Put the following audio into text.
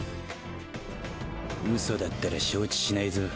ウソだったら承知しないぞ。